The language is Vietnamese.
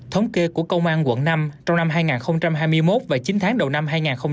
thống kê của công an quận năm trong năm hai nghìn hai mươi một và chín tháng đầu năm hai nghìn hai mươi bốn